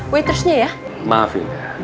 waitersnya yah maafin